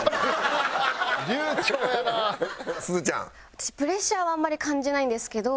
私プレッシャーはあんまり感じないんですけど。